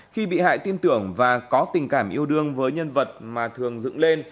khi bị hại tin tưởng và có tình cảm yêu đương với nhân vật mà thường dựng lên